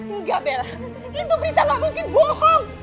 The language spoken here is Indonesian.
enggak bella itu berita gak mungkin bohong